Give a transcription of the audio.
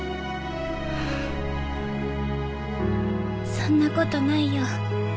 そんなことないよ。